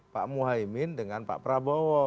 pak muhaymin dengan pak prabowo